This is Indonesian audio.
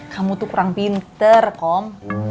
kamu tuh kurang pinter kom